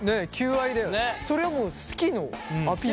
それはもう好きのアピール。